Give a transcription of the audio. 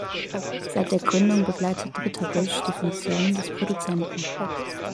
Seit der Gründung bekleidet Ritterbusch die Funktion des Produzenten.